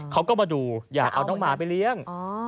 เขาก็มาดูอยากเอาน้องหมาไปเลี้ยง